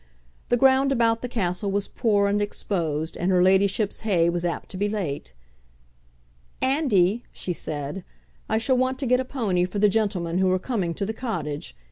The ground about the castle was poor and exposed, and her ladyship's hay was apt to be late. "Andy," she said, "I shall want to get a pony for the gentlemen who are coming to the Cottage.